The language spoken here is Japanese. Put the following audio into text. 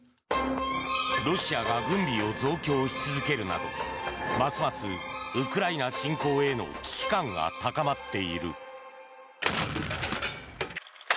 ロシアが軍備を増強し続けるなどますますウクライナ侵攻への危機感が高まっている。